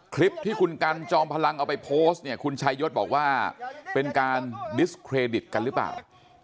คลิปที่คุณกันจอมพลังเอาไปโพสต์เนี่ยคุณชายศบอกว่าเป็นการดิสเครดิตกันหรือเปล่า